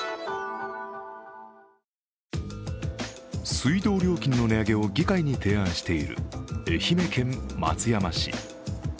水道料金の値上げを議会に提案している愛媛県松山市。